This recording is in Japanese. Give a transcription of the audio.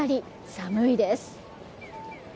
寒いです。